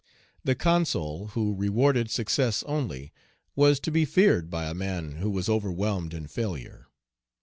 The Consul, who rewarded success only, was to be feared by a man who was overwhelmed in failure.